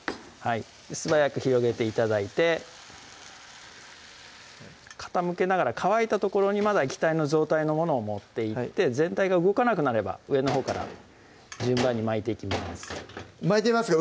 素早く広げて頂いて傾けながら乾いた所に液体の状態のものを持っていって全体が動かなくなれば上のほうから順番に巻いていきます巻いてみますか？